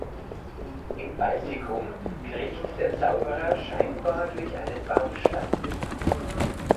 Im Baltikum kriecht der Zauberer scheinbar durch einen Baumstamm.